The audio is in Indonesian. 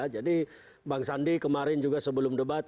jadi bang sandi kemarin juga sebelum debat